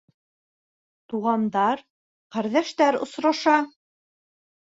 Туғандар, ҡәрҙәштәр осраша.